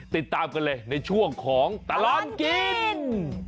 ติดตามกันเลยในช่วงของตลอดกิน